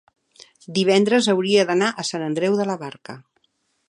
divendres hauria d'anar a Sant Andreu de la Barca.